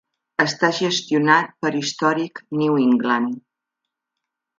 Està gestionat per Historic New England.